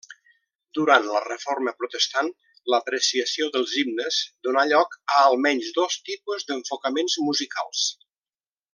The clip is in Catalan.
Durant la Reforma Protestant l'apreciació dels himnes donà lloc a almenys dos tipus d'enfocaments musicals.